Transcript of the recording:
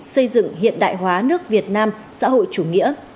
xây dựng hiện đại hóa nước việt nam xã hội chủ nghĩa